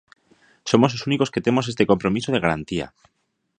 Somos os únicos que temos este compromiso de garantía.